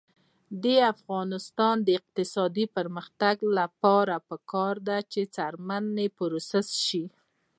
د افغانستان د اقتصادي پرمختګ لپاره پکار ده چې څرمنې پروسس شي.